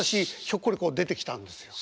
ひょっこりこう出てきたんですよ。